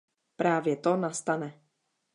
Právě to nastane.